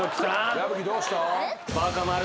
矢吹どうした？